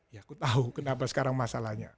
ya aku tahu kenapa sekarang masalahnya